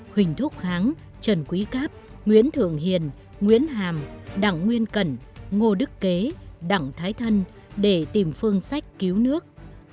huỳnh thúc kháng trần quý cáp nguyễn thượng hiền nguyễn hàm đảng nguyên cẩn ngô đức kế đảng thái thân để tìm phương sách cứu nước